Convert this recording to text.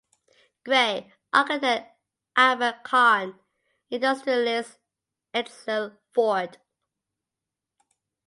Gray, architect Albert Kahn and industrialist Edsel Ford.